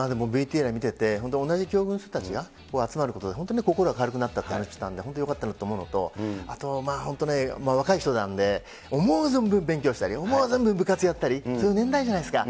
でもＶＴＲ見てて、本当に同じ境遇の人たちが集まることで、本当に心が軽くなったって言ってたんで、本当によかったなと思うのと、あと、本当に若い人なんで、思う存分勉強したり、思う存分、部活やったり、そういう年代じゃないですか。